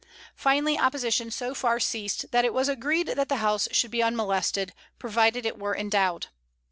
Finally, opposition so far ceased that it was agreed that the house should be unmolested, provided it were endowed.